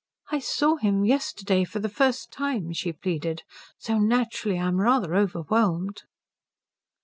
"I saw him yesterday for the first time," she pleaded, "so naturally I am rather overwhelmed."